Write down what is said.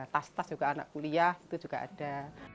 tas tas juga anak kuliah itu juga ada